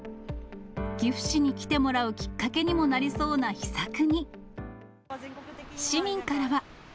岐阜市に来てもらうきっかけにもなりそうな秘策に市民からは。